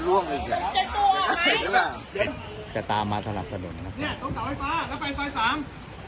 หลงหลงหลงหลงหลงหลงหลงหลง